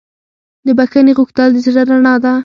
د بښنې غوښتل د زړه رڼا ده.